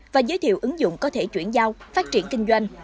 và giới thiệu ứng dụng có thể chuyển giao phát triển kinh doanh